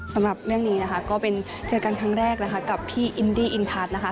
สำหรับเรื่องนี้นะคะก็เป็นเจอกันครั้งแรกนะคะกับพี่อินดี้อินทัศน์นะคะ